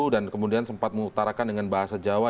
dan kemudian sempat mengutarakan dengan bahasa jawa